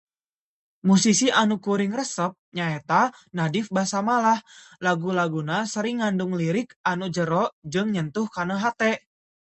Musisi anu kuring resep nyaeta Nadhif Basamalah. Lagu-laguna sering ngandung lirik anu jero jeung nyentuh kana hate.